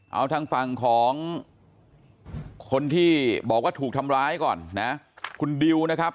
เอาทางฝั่งของคนที่บอกว่าถูกทำร้ายก่อนนะคุณดิวนะครับ